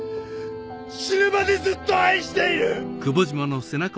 死ぬまでずっと愛している！